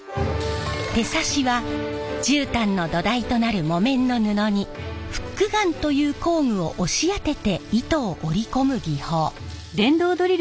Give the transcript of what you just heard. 手刺しは絨毯の土台となる木綿の布にフックガンという工具を押し当てて糸を織り込む技法。